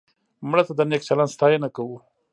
مړه ته د نیک چلند ستاینه کوو